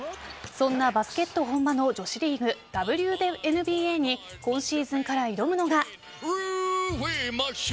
そんなバスケット本場の女子リーグＷＮＢＡに今シーズンから挑むのが。